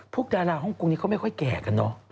ดาราฮ่องกงนี้เขาไม่ค่อยแก่กันเนอะ